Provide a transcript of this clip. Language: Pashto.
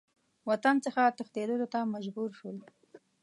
وطن څخه تښتېدلو ته مجبور شول.